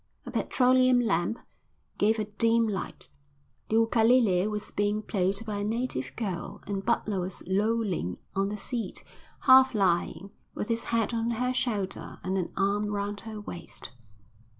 A petroleum lamp gave a dim light. The ukalele was being played by a native girl and Butler was lolling on the seat, half lying, with his head on her shoulder and an arm round her waist.